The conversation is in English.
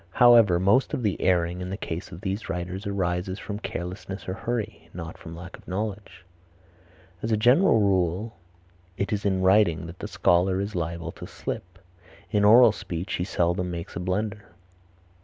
However, most of the erring in the case of these writers arises from carelessness or hurry, not from a lack of knowledge. As a general rule it is in writing that the scholar is liable to slip; in oral speech he seldom makes a blunder.